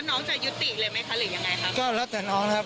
น้องจะยุติเลยไหมคะหรือยังไงครับก็แล้วแต่น้องนะครับ